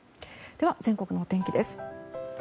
では、全国のお天気です。